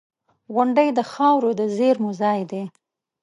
• غونډۍ د خاورو د زېرمو ځای دی.